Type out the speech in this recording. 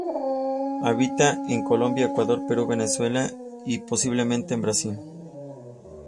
Habita en Colombia, Ecuador, Perú, Venezuela y, posiblemente, Brasil.